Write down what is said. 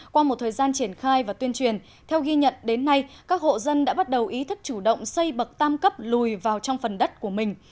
qua một thời gian triển khai và tuyên truyền theo ghi nhận đến nay các hộ dân đã bắt đầu ý thức chủ động xây bậc tam cấp lùi vào trong phần đất của mình